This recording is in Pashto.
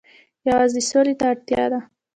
یوازې سولې ته اړتیا ده.